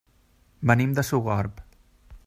Venim de Sogorb.